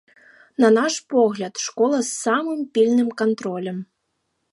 На наш погляд, школа з самым пільным кантролем.